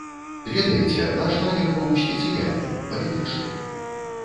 Ведаеце, наш лагер быў спецыяльны, палітычны.